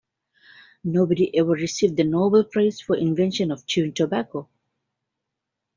Nobody ever received the Nobel prize for the invention of chewing tobacco.